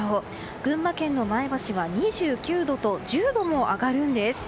群馬県の前橋は２９度と１０度も上がるんです。